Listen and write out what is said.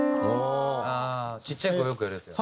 ちっちゃい子がよくやるやつや。